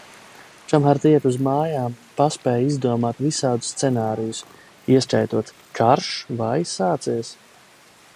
Kamēr tieku līdz mājām, paspēju izdomāt visādus scenārijus, ieskaitot – karš, vai, sācies?...